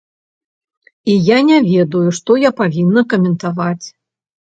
І я не ведаю, што я павінна каментаваць.